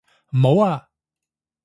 唔好啊！